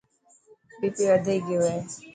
بي پي وڌي گيو هي.